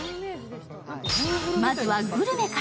まずはグルメから。